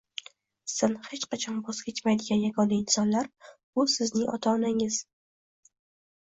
Sizdan xech qachon voz kechmaydigan yagona insonlar – bu sizning ota-onangiz.